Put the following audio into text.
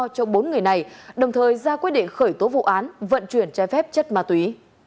cho bốn người này đồng thời ra quyết định khởi tố vụ án vận chuyển trái phép chất ma túy